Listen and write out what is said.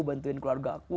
bantuin keluarga aku